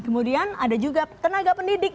kemudian ada juga tenaga pendidik